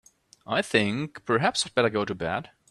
I think perhaps I'd better go to bed.